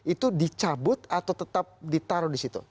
itu dicabut atau tetap ditaruh di situ